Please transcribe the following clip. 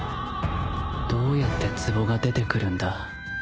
どうやって壺が出てくるんだ？